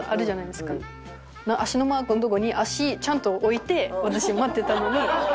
足のマークのとこに足ちゃんと置いて私待ってたのに。